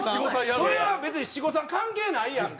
それは別に七五三関係ないやんか。